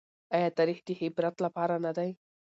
ايا تاريخ د عبرت لپاره نه دی؟